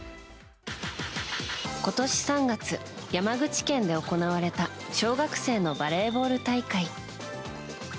今年３月、山口県で行われた小学生のバレーボール大会。